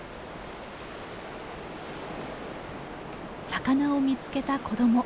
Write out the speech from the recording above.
魚を見つけた子ども。